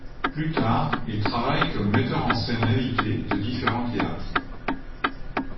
Plus tard, il travaille comme metteur en scène invité de différents théâtres.